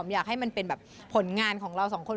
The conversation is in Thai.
อยากให้เป็นผลงานของเราสองคน